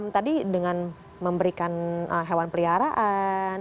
tadi dengan memberikan hewan peliharaan